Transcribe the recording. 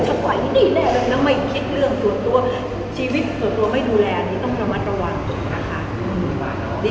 ตัวหน้าแคบนั้นก็ดูได้